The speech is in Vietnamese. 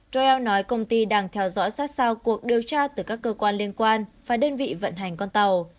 dro nói công ty đang theo dõi sát sao cuộc điều tra từ các cơ quan liên quan và đơn vị vận hành con tàu